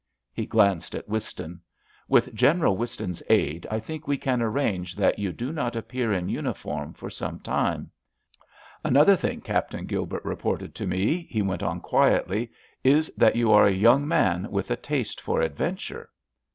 He glanced at Whiston. "With General Whiston's aid I think we can arrange that you do not appear in uniform for some time. Another thing Captain Gilbert reported to me," he went on, quietly, "is that you are a young man with a taste for adventure."